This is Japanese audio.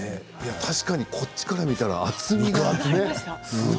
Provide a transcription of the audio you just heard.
確かにこちらから見たら厚みが。